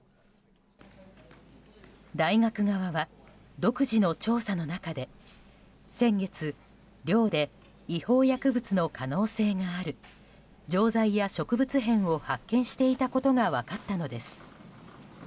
大学側は独自の調査の中で先月、寮で違法薬物の可能性がある錠剤や植物片を発見していたことが分かったのです。